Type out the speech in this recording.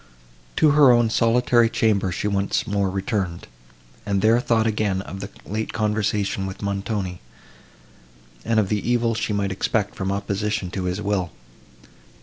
To her own solitary chamber she once more returned, and there thought again of the late conversation with Montoni, and of the evil she might expect from opposition to his will.